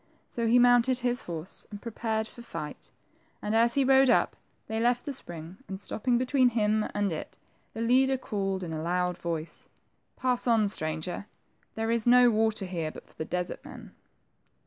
So he mounted his horse and prepared for fight, and as he rode up, they left the spring, and stopping between him and it, the leader called in a loud voice, Pass on,, stranger. There is no water here but for the desert men."